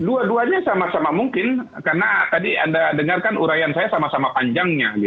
dua duanya sama sama mungkin karena tadi anda dengarkan urayan saya sama sama panjangnya